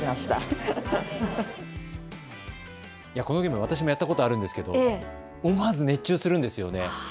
このゲーム、私もやったことあるんですけれども思わず熱中するんですよね。